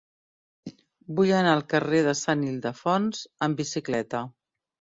Vull anar al carrer de Sant Ildefons amb bicicleta.